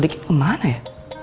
dekat kemana ya